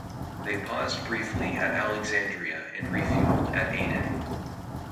They paused briefly at Alexandria and refuelled at Aden.